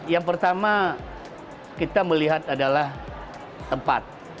yang pertama kita melihat adalah tempat